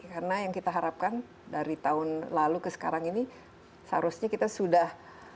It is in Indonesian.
karena yang kita harapkan dari tahun lalu ke sekarang ini seharusnya kita sudah